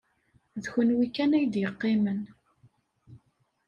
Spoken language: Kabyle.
D kenwi kan ay d-yeqqimen.